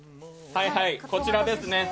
こちらですね。